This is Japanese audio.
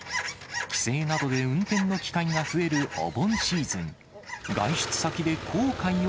帰省などで運転の機会が増えるお盆シーズン。